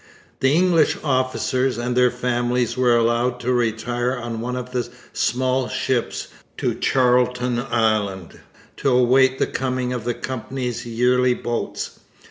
The English officers and their families were allowed to retire on one of the small ships to Charlton Island to await the coming of the Company's yearly boats.